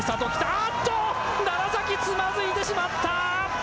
あーっと、楢崎、つまずいてしまった。